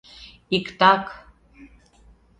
— Иктак.